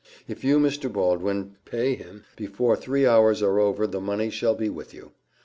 If you, Mr. Baldwin, pay him, before three hours are over the money shall be with you.